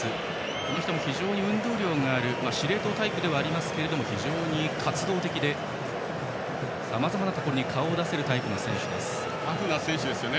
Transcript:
この人も非常に運動量のある司令塔タイプではありますが活動的でさまざまなところにタフな選手ですよね。